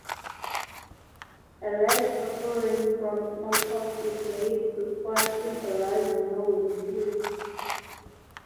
A lad suffering from smallpox is made to squat in a large winnowing sieve.